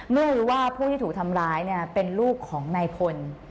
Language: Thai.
นั่นคือว่าเพื่อที่ถูกทำร้ายเป็นลูกของในคน